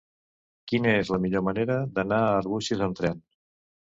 Quina és la millor manera d'anar a Arbúcies amb tren?